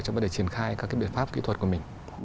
trong vấn đề triển khai các cái biện pháp kỹ thuật của mình